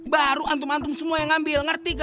baru antum antum semua yang ngambil ngerti kakak